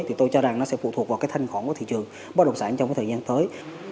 thì tôi cho rằng nó sẽ phụ thuộc vào cái thanh khoản của thị trường bất động sản trong cái thời gian tới